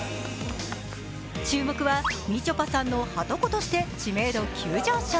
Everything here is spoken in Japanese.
注目はみちょぱさんのはとことして知名度急上昇。